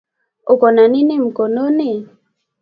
uko na nini mkononi.